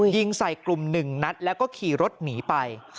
ยิงใส่กลุ่ม๑นัดแล้วก็ขี่รถหนีไป